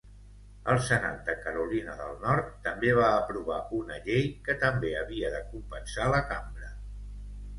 El senat de Carolina del Nord també va aprovar una llei, que també havia de compensar la Cambra.